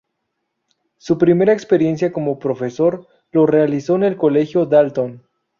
Su primera experiencia como profesor lo realizó en el Colegio Dalton.